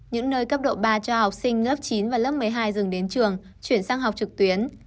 những nơi cấp độ ba cho học sinh lớp chín và lớp một mươi hai dừng đến trường chuyển sang học trực tuyến